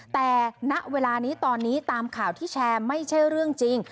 แต่ณเวลานี้ตอนนี้ตามข่าวที่แชร์ไม่ใช่เรื่องจริง